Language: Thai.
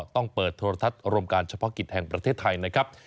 ต้องเปิดโทรทัศน์รวมการเฉพาะกิจแห่งประเทศไทยนะครับ